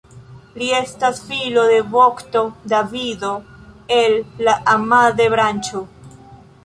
Li estas filo de vokto Davido el la Amade-branĉo.